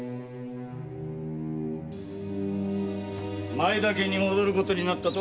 前田家に戻ることになったと？